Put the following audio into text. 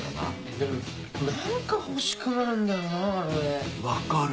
でも何か欲しくなるんだよなあの絵。分かる！